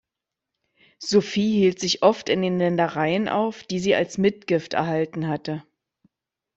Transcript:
Sophie hielt sich oft in den Ländereien auf, die sie als Mitgift erhalten hatte.